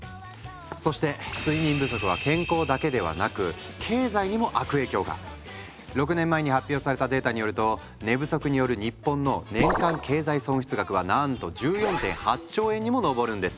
そして睡眠不足は健康だけではなく経済にも悪影響が⁉６年前に発表されたデータによると寝不足による日本の年間経済損失額はなんと１４．８兆円にも上るんです。